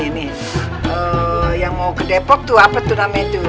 ini yang mau ke depok itu apa tuh namanya itu